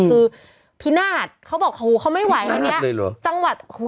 คือพินาศเขาบอกโอ้โหเขาไม่ไหวทั้งนี้